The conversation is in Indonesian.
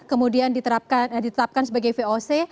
kemudian diterapkan sebagai voc